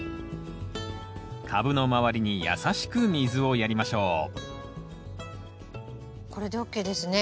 株の周りに優しく水をやりましょうこれでＯＫですね。